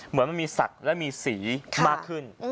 มีสักละมีสีขาดขึ้น